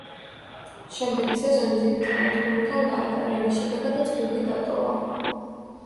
შემდეგი სეზონი ძირითად გუნდთან გაატარა, რის შემდეგაც კლუბი დატოვა.